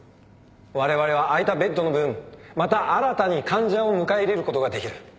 われわれは空いたベッドの分また新たに患者を迎え入れることができる。